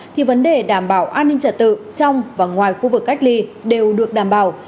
thì vấn đề đảm bảo an ninh trả tự trong và ngoài khu vực cách ly đều được đảm bảo